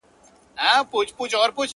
په دريو مياشتو كي به ډېر كم بې لاسونو-